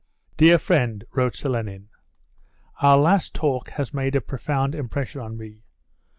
"Dear friend," wrote Selenin, "our last talk has made a profound impression on me.